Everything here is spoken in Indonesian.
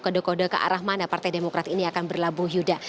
kode kode ke arah mana partai demokrat ini akan berlabuh yuda